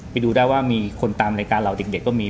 ไปดูได้ว่ามีคนตามรายการเราเด็กก็มี